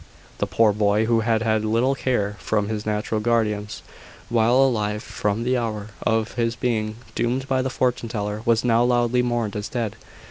The poor boy, who had had little care from his natural guardians while alive from the hour of his being doomed by the fortune teller, was now loudly mourned as dead.